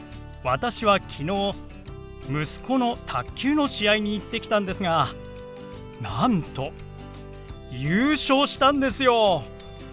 私は昨日息子の卓球の試合に行ってきたんですがなんと優勝したんですよ！